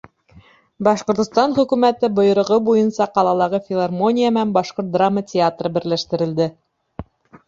Башҡортостан Хөкүмәте бойороғо буйынса ҡалалағы филармония менән башҡорт драма театры берләштерелде.